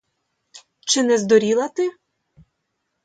Чи не здуріла ти?